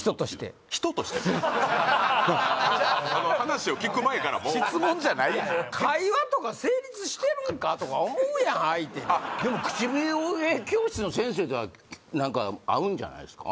えっいやごめんなさい話を聞く前からもう質問じゃないやん会話とか成立してるんかとか思うやん相手でも口笛教室の先生とは何か合うんじゃないすか？